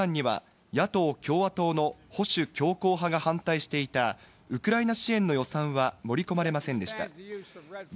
ただ、予算案には野党・共和党の保守強硬派が反対していたウクライナ支援の予算は盛り込まれませんでした。